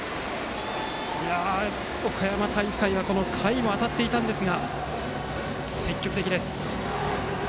岡山大会は下位も当たっていたんですが積極的です。